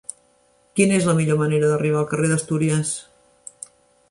Quina és la millor manera d'arribar al carrer d'Astúries?